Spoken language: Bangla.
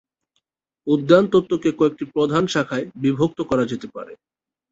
উদ্যান তত্ত্বকে কয়েকটি প্রধান শাখায় বিভক্ত করা যেতে পারে।